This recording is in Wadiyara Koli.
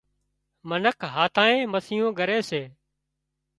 منک هاٿانئي مسيون ڳري سي